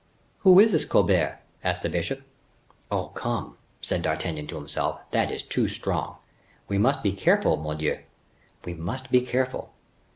"Who is this Colbert?" asked the bishop. "Oh! come," said D'Artagnan to himself, "that is too strong! We must be careful, mordioux! we must be careful."